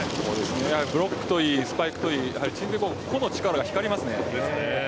ブロックといいスパイクといい鎮西高校は個の力が光ります。